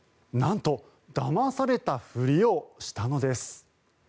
なんとだまされたふりをしたのです。